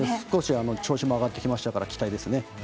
少し調子も上がってきましたから期待ですね。